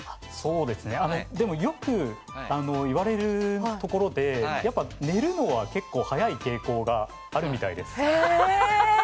でもよく言われるところで寝るのは結構早い傾向があるみたいです。